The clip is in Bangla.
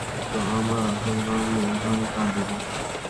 আমার আসল নাম রেহান কাদেরি।